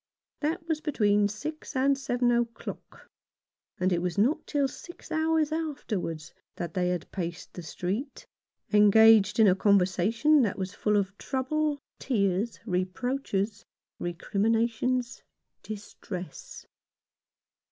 That was between six and seven o'clock ; and it was not till six hours afterwards that they had paced the street, engaged in a conversation that was full of trouble, tears, reproaches, recriminations, distress.